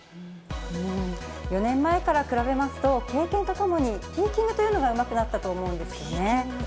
４年前から比べますと、経験とともにピーキングというのがうまくなったと思うんですよね。